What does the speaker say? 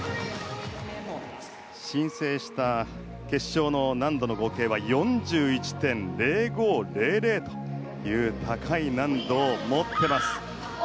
申請した決勝の難度の合計は４１．０５００という高い難度を持っています。